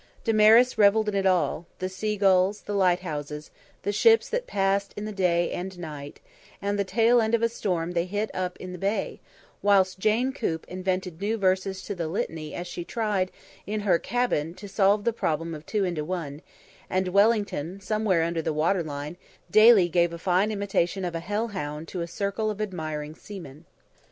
Damaris revelled in it all: the seagulls; the lighthouses; the ships that passed in the day and night; and the tail end of a storm they hit up in the Bay, whilst Jane Coop invented new verses to the Litany as she tried, in her cabin, to solve the problem of two into one, and Wellington, somewhere under the water line, daily gave a fine imitation of hell bound to a circle of admiring seamen.